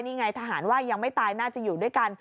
นี่ไงทหารว่ายังไม่ตายน่าจะอยู่ด้วยกัน